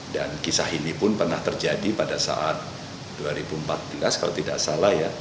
dan kisah ini pun pernah terjadi pada saat dua ribu empat belas kalau tidak salah ya